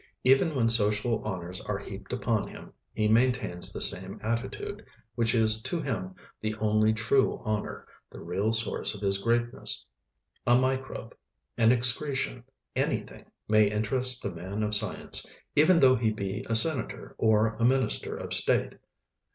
Even when social honors are heaped upon him, he maintains the same attitude, which is to him the only true honor, the real source of his greatness. A microbe, an excretion, anything, may interest the man of science, even though he be a senator or a Minister of State.